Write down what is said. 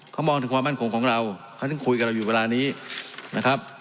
เขามองถึงความมั่นคงของเราเขาถึงคุยกับเราอยู่เวลานี้นะครับ